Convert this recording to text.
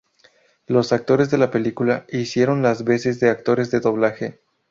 Los actores de la película hicieron las veces de actores de doblaje.